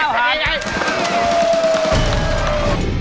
๔๙หาร